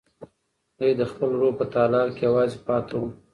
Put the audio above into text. دی د خپل روح په تالار کې یوازې پاتې و.